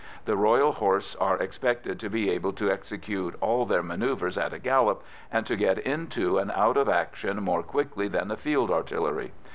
The Royal Horse are expected to be able to execute all their manœuvres at a gallop, and to get into and out of action more quickly than the Field Artillery.